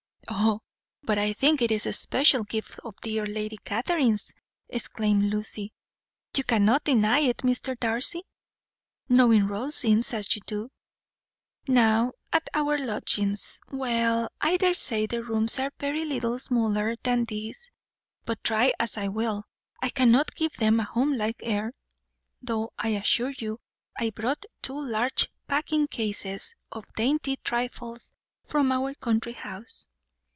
"Oh, but I think it is a special gift of dear Lady Catherine's," exclaimed Lucy. "You cannot deny it, Mr. Darcy, knowing Rosings as you do. Now at our lodgings well, I daresay the rooms are very little smaller than this but try as I will, I cannot give them a home like air, though I assure you I brought two large packing cases of dainty trifles from our country house."